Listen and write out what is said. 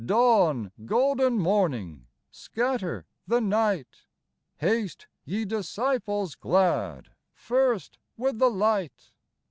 Dawn, golden morning ! Scatter the night ! Haste, ye disciples glad, First with the light.